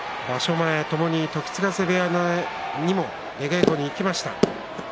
前ともに時津風部屋にも出稽古に行きました。